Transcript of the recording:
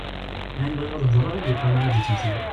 Ayen bɣiɣ ad hedreɣ i d-yeqqar mi ara d-yettmeslay.